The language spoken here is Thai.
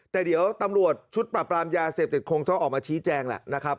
แต่เดี๋ยวตำรวจชุดปรับปรามยาเสพติดคงต้องออกมาชี้แจงแหละนะครับ